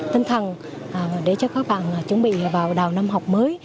tinh thần để cho các bạn chuẩn bị vào đào năm học mới